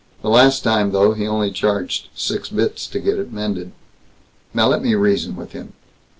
The last time, though, he only charged six bits to get it mended. Now let me reason with him."